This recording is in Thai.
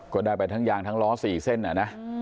ก็ได้ไปทั้งยางทั้งล้อ๔เส้นนะ